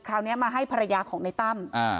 คราวนี้มาให้ภรรยาของในตั้ม